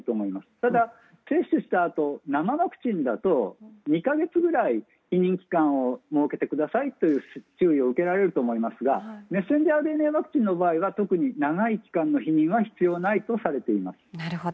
ただ、接種したあと生ワクチンだと２か月くらい避妊期間を設けてくださいという注意を受けられると思いますがメッセンジャーＲＮＡワクチンの場合は長い期間の避妊は必要ないとされています。